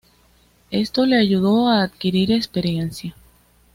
Esto le ayudó a adquirir experiencia.